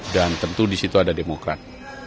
dan tentu di situ ada demokrat